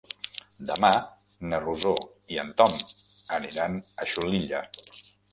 Demà na Rosó i en Tom aniran a Xulilla.